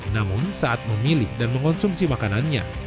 namun saat memilih dan mengonsumsi makanannya